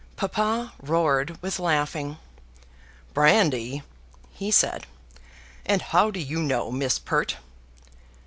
Papa roared with laughing. "Brandy!" he said. "And how do you know, Miss Pert?"